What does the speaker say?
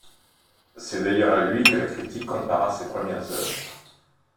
C'est d'ailleurs à lui que la critique compara ses premières œuvres.